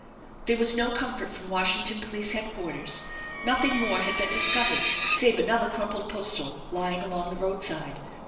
There was no comfort from Washington Police Head quarters. Nothing more had been discovered save another crumpled postal lying along the roadside.